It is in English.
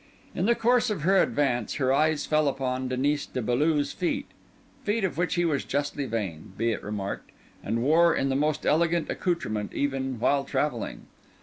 In the course of her advance, her eyes fell upon Denis de Beaulieu's feet—feet of which he was justly vain, be it remarked, and wore in the most elegant accoutrement even while travelling.